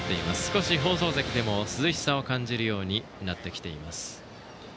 少し放送席でも涼しさを感じるようになってきています。